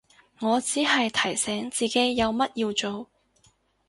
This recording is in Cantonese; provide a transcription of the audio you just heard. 我只係提醒自己有乜要做